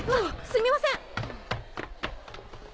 すみません！